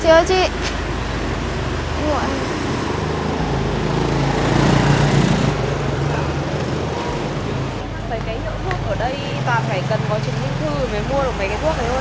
ở đây bạn phải cần có chứng minh thư mới mua được mấy cái thuốc này thôi